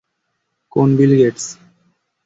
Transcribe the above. কোন Bill Gates?